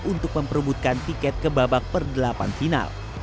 untuk memperebutkan tiket ke babak perdelapan final